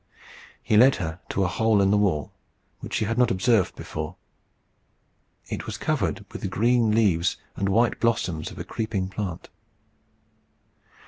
He led her to a hole in the wall, which she had not observed before. It was covered with the green leaves and white blossoms of a creeping plant.